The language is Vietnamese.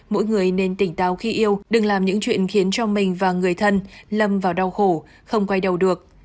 mỗi người nên tỉnh táo khi yêu đừng làm những chuyện khiến cho mình và người thân lâm vào đau khổ không quay đầu được